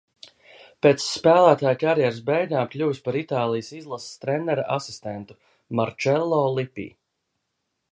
Pēc spēlētāja karjeras beigām kļuvis par Itālijas izlases trenera asistentu Marčello Lipi.